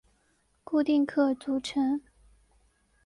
固定客组成。